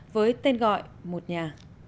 với tên gọi một nhà